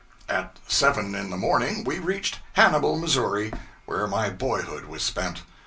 At seven in the morning we reached Hannibal, Missouri, where my boyhood was spent.